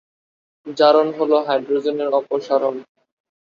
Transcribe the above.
জারণ হলো হাইড্রোজেন এর অপসারণ।